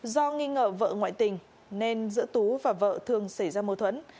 do nghi ngờ vợ ngoại tình nên giữa tú và vợ thường xảy ra mâu thuẫn